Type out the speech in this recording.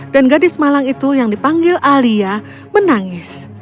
dan gadis malang itu yang dipanggil alia menangis